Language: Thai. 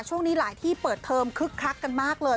ช่วงนี้หลายที่เปิดเทอมคึกคักกันมากเลย